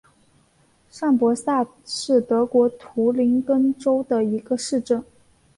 上伯萨是德国图林根州的一个市镇。